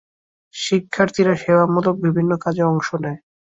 শিক্ষার্থীরা সেবামূলক বিভিন্ন কাজে অংশ নেয়।